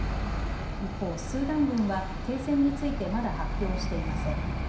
一方、スーダン軍は停戦についてまだ発表していません。